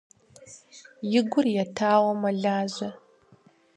И гур етауэ мэлажьэ.